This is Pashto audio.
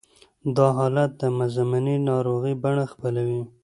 دا حالت د مزمنې ناروغۍ بڼه خپلوي